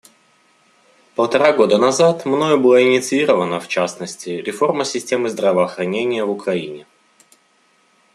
Полтора года назад мною была инициирована, в частности, реформа системы здравоохранения в Украине.